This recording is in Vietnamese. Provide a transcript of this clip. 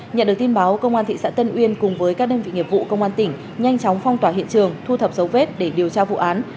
nhận được tin báo công an thị xã tân uyên cùng với các đơn vị nghiệp vụ công an tỉnh nhanh chóng phong tỏa hiện trường thu thập dấu vết để điều tra vụ án